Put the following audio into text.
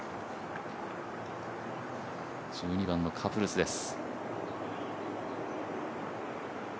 １２番のカプルスです。